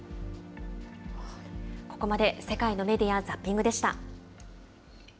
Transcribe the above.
ここまで、世界のメディア・ザッピングでした。